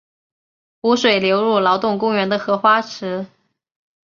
湖水流入劳动公园的荷花池。